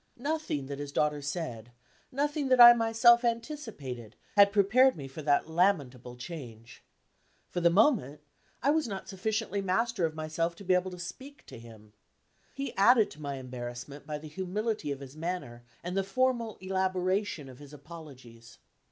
Nothing that his daughter said, nothing that I myself anticipated, had prepared me for that lamentable change. For the moment, I was not sufficiently master of myself to be able to speak to him. He added to my embarrassment by the humility of his manner, and the formal elaboration of his apologies.